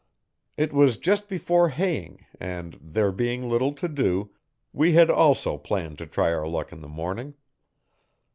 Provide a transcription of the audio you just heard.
It was just before haying and, there being little to do, we had also planned to try our luck in the morning.